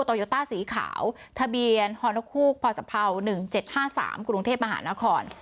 ตอยโตต้าสีขาวทะเบียนฮคพศหนึ่งเจ็ดห้าสามกรุงเทพมหานคร